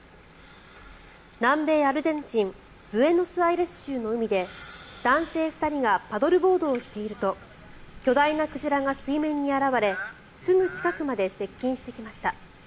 南米アルゼンチンブエノスアイレス州の海で男性２人がパドルボードをしていると巨大な鯨が水面に現れすぐ近くまで接近してきました。